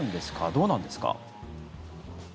どうなんですか？